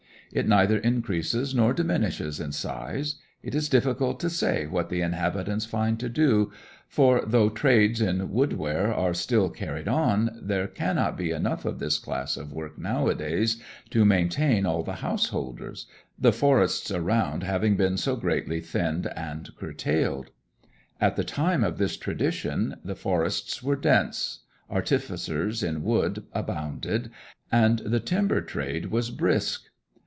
It neither increases nor diminishes in size; it is difficult to say what the inhabitants find to do, for, though trades in woodware are still carried on, there cannot be enough of this class of work nowadays to maintain all the householders, the forests around having been so greatly thinned and curtailed. At the time of this tradition the forests were dense, artificers in wood abounded, and the timber trade was brisk.